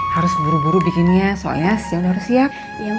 harus buru buru bikinnya soalnya harus siap